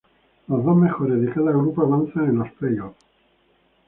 Los dos mejores de cada grupo avanzan a los play-offs.